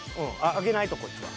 上げないとこっちは。